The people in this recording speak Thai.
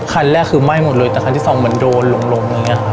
คันแรกคือไหม้หมดเลยแต่คันที่สองมันโดนลง